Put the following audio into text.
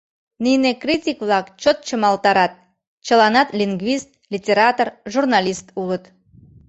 Нине критик-влак чот чымалтарат, чыланат лингвист, литератор, журналист улыт.